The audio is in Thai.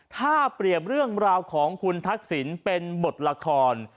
ถ้าเปรียบเรื่องราวของคุณทักษิณเป็นบทละคร